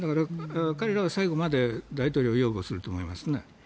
彼らは最後まで大統領を擁護すると思いますね。